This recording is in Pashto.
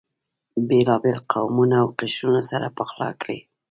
بېلابېل قومونه او قشرونه سره پخلا کړي.